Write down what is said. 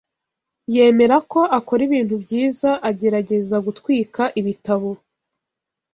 yemera ko akora ibintu byiza agerageza gutwika ibitabo